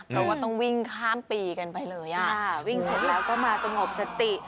เพราะว่าต้องวิ่งข้ามปีกันไปเลยอ่ะวิ่งเสร็จแล้วก็มาสงบสติ